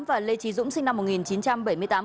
và lê trí dũng sinh năm một nghìn chín trăm bảy mươi tám